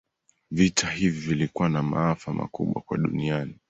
Vita hivi vilikuwa na maafa makubwa kwa duniani